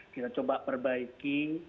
kita coba perbaiki